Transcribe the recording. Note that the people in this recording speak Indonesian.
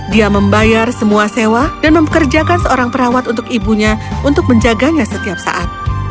dia membayar semua sewa dan mempekerjakan seorang perawat untuk ibunya untuk menjaganya setiap saat